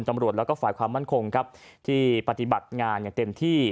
ตำรวจแล้วก็ฝ่ายความมั่นคงครับที่ปฏิบัติงานอย่างเต็มที่